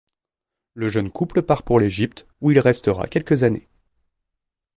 Le jeune couple part pour l'Égypte, où il restera quelques années.